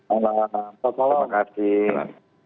selamat malam terima kasih